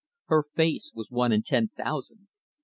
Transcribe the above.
Her face was one in ten thousand.